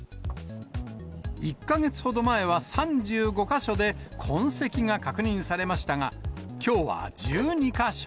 １か月ほど前は、３５か所で痕跡が確認されましたが、きょうは１２か所。